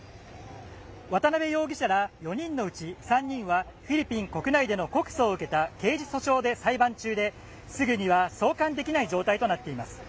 渡辺容疑者ら４人のうち３人はフィリピン国内での告訴を受けた刑事訴訟で裁判中ですぐには送還できない状態となっています。